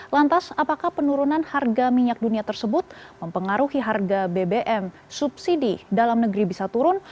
lantas apakah penurunan harga minyak dunia tersebut mempengaruhi harga bbm subsidi dalam negeri bisa turun